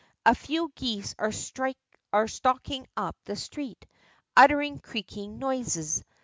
A few geese are stalking up the street, uttering creaking noises.